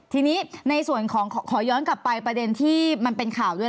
ทีนี้ในส่วนของขอย้อนกลับไปประเด็นที่มันเป็นข่าวด้วย